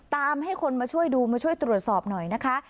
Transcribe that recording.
ตามให้คนมาช่วยดูมาช่วยตรวจสอบหน่อยนะคะ